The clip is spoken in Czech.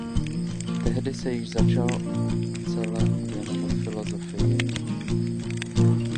Tehdy se již začal cele věnovat filosofii.